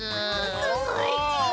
すごいち！